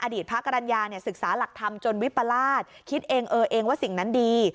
พระกรรณญาเนี่ยศึกษาหลักธรรมจนวิปราชคิดเองเออเองว่าสิ่งนั้นดี